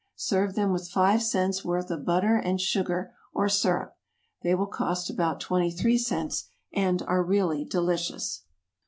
Serve them with five cents' worth of butter and sugar, or syrup. They will cost about twenty three cents, and are really delicious.